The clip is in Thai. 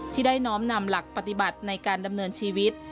ที่ได้น้อมนำหลักปฏิบัติในการดำเนินชีวิต